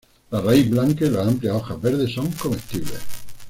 La raíz blanca y las amplias hojas verdes son comestibles.